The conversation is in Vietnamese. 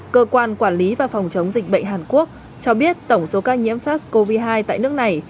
cơ quan quản lý và phòng chống dịch bệnh hàn quốc cho biết tổng số ca nhiễm sars cov hai tại nước này